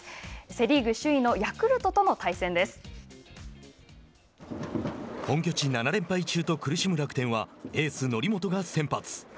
セ・リーグ首位の本拠地７連敗中と苦しむ楽天はエース則本が先発。